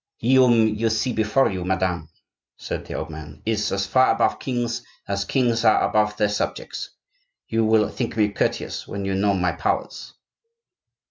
"He whom you see before you, madame," said the old man, "is as far above kings as kings are above their subjects; you will think me courteous when you know my powers."